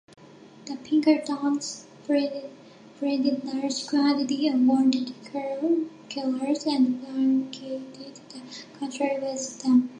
The Pinkerton's printed large quantity of "Wanted" circulars and blanketed the country with them.